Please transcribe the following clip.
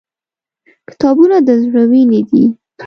• کتابونه د زړه وینې دي.